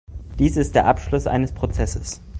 Dies ist der Abschluss eines Prozesses.